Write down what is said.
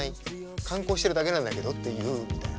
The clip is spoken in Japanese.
観光してるだけなんだけどって言うみたいな。